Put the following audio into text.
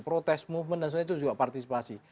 protes movement dan sebagainya itu juga partisipasi